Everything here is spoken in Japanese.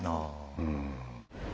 うん。